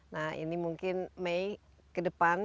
nah ini mungkin mei kedepan